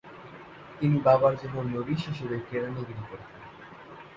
তিনি বাবার জন্য নবিস হিসেবে কেরানিগিরি করতেন।